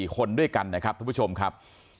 ๔คนด้วยกันนะครับท่านผู้ชมครับ